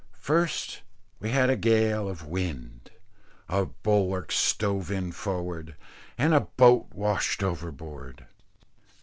First we had a gale of wind, our bulwarks stove in forward, and a boat washed overboard.